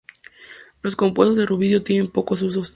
Los compuestos de rubidio tienen pocos usos.